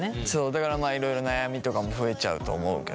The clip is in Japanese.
だからまあいろいろ悩みとかも増えちゃうと思うけど。